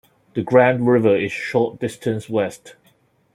The Grand River is a short distance west.